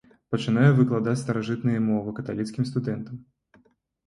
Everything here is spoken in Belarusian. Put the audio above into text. Пачынае выкладаць старажытныя мовы каталіцкім студэнтам.